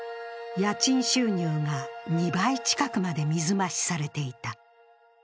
家賃収入が２倍近くまで水増しされていた。